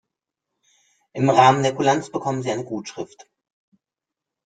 Im Rahmen der Kulanz bekommen Sie eine Gutschrift.